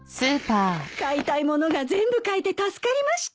買いたい物が全部買えて助かりました。